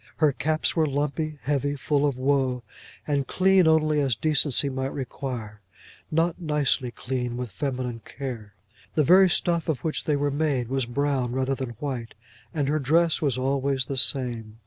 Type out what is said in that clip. Her caps were lumpy, heavy, full of woe, and clean only as decency might require, not nicely clean with feminine care. The very stuff of which they were made was brown, rather than white, and her dress was always the same.